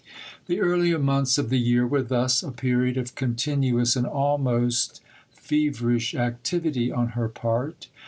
The earlier months of the year were thus a period of continuous and almost feverish activity on her part.